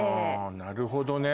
なるほどね。